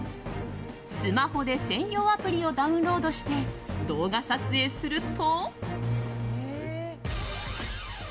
スマホで専用アプリをダウンロードして動画撮影すると。